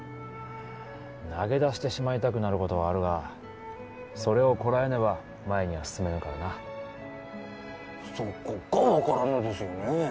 投げ出してしまいたくなることはあるがそれをこらえねば前には進めぬからなそこが分からんのですよね